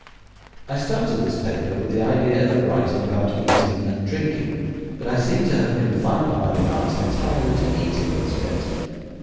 I started this paper with the idea of writing about eating and drinking, but I seem to have confined my remarks entirely to eating as yet.